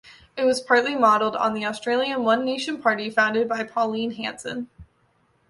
It was partly modeled on the Australian One Nation party, founded by Pauline Hanson.